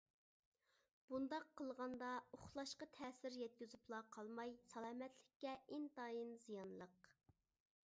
بۇنداق قىلغاندا ئۇخلاشقا تەسىر يەتكۈزۈپلا قالماي سالامەتلىككە ئىنتايىن زىيانلىق.